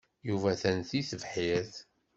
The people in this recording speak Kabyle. Yuba atan deg tebḥirt.